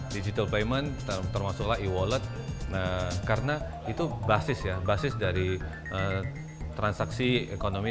digital payment termasuk e wallet karena itu basis dari transaksi ekonomi